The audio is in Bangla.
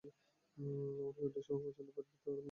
আমার পিরিয়ডের সময় প্রচন্ড পেট ব্যথা করে আর বমি হয়।